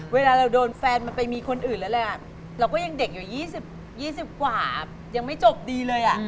เวลาเราโดนแฟนมันไปมีคนอื่นแล้วแหละเราก็ยังเด็กอยู่๒๐กว่ายังไม่จบดีเลย